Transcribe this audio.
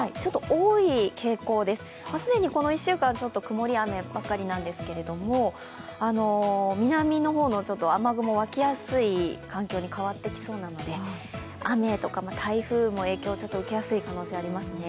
多い傾向です、既にこの１週間、曇り・雨ばかりなんですが、南の方の雨雲、湧きやすい環境に変わってきそうなので雨とか台風の影響を受けやすい可能性ありますね。